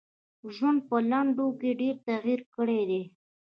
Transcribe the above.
ژوند په لنډو کي ډېر تغیر کړی دی .